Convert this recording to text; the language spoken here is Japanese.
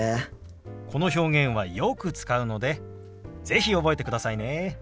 この表現はよく使うので是非覚えてくださいね。